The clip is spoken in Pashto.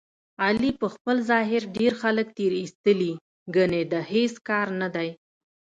علي په خپل ظاهر ډېر خلک تېر ایستلي، ګني د هېڅ کار نه دی.